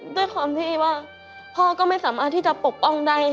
ด้วยความที่ว่าพ่อก็ไม่สามารถที่จะปกป้องได้